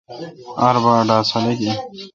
آر بھا ا ڈاس خلق این۔